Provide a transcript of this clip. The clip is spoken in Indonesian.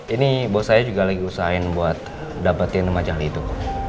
ini bos saya juga lagi usahain buat dapetin remajang itu